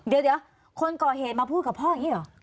เดี๋ยวคนก่อเหตุมาพูดกับพ่ออย่างนี้เหรอ